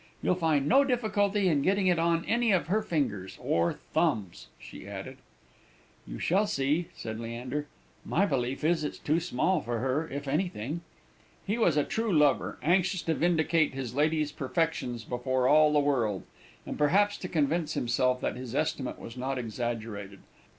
You'll find no difficulty in getting it on any of her fingers or thumbs," she added. "You shall see," said Leander. "My belief is, it's too small for her, if anything." He was a true lover; anxious to vindicate his lady's perfections before all the world, and perhaps to convince himself that his estimate was not exaggerated.